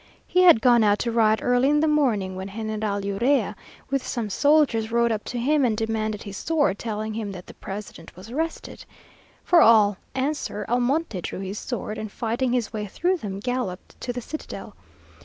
He had gone out to ride early in the morning, when General Urrea, with some soldiers, rode up to him and demanded his sword; telling him that the president was arrested. For all answer, Almonte drew his sword, and fighting his way through them, galloped to the citadel.